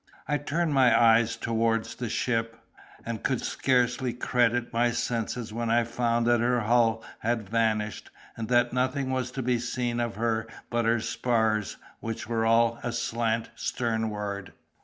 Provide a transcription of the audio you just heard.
I turned my eyes toward the ship, and could scarcely credit my senses when I found that her hull had vanished, and that nothing was to be seen of her but her spars, which were all aslant sternward.